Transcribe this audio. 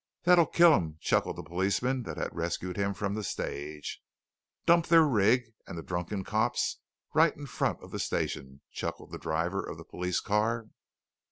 "That'll kill 'em," chuckled the policeman that had rescued him from the stage. "Dump their rig and the drunken cops right in front of the station," chuckled the driver of the police car.